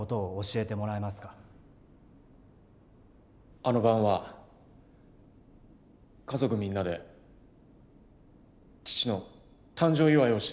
あの晩は家族みんなで父の誕生祝をしていました。